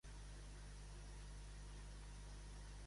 Els paons o pagos eren unes aus molt comunes al terme de Porreres.